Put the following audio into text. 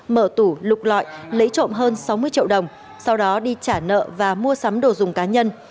mở tủ lục lọi lấy trộm hơn sáu mươi triệu đồng sau đó đi trả nợ và mua sắm đồ dùng cá nhân